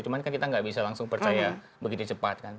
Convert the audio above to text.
cuman kan kita nggak bisa langsung percaya begitu cepat kan